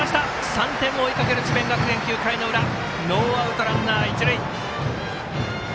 ３点を追いかける智弁学園９回の裏ノーアウト、ランナー、一塁。